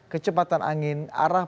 kecepatan angin arah